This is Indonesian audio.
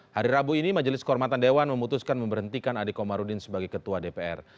hari rabu ini majelis kehormatan dewan memutuskan memberhentikan adik komarudin sebagai ketua dpr